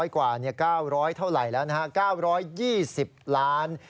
๙๐๐กว่า๙๐๐เท่าไหร่ล่ะ